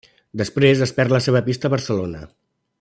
Després es perd la seva pista a Barcelona.